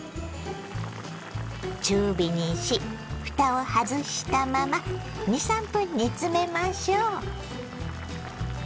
中火にしふたを外したまま２３分煮詰めましょう。